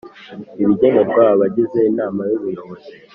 Ibigenerwa abagize Inama y Ubuyobozi